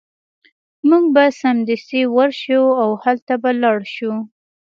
موږ به سمدستي ورشو او هلته به لاړ شو